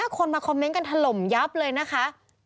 คนมาคอมเมนต์กันถล่มยับเลยนะคะ